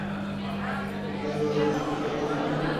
তিনি রানীর সঙ্গে রাজকীয় সৈন্যবাহিনী পরিদর্শন করে অতিবাহিত করেন।